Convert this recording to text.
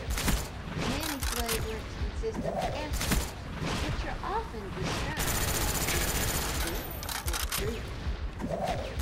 Many flavorants consist of esters, which are often described as being "sweet" or "fruity".